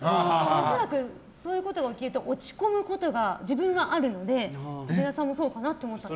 恐らく、そういうことが起きると落ち込むことが自分はあるので、武田さんもそうかなと思ったんです。